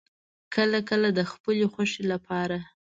کله کله د خپلې خوښې لپاره